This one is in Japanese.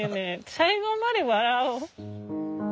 最後まで笑う。